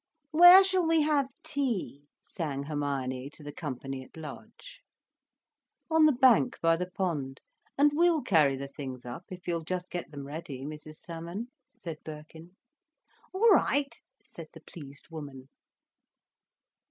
"Where shall we have tea?" sang Hermione to the company at large. "On the bank by the pond. And we'll carry the things up, if you'll just get them ready, Mrs Salmon," said Birkin. "All right," said the pleased woman.